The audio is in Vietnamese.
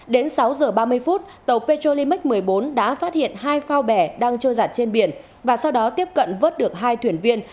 đến sáu giờ ba mươi phút tàu petrolimax một mươi bốn đã phát hiện hai phao bè đang trôi giặt trên biển và sau đó tiếp cận vớt được hai thuyền viên